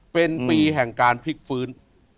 เป็นปีแห่งการพลิกฟื้น